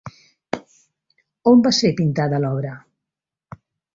On va ser pintada l'obra?